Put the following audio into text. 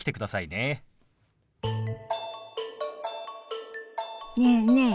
ねえねえ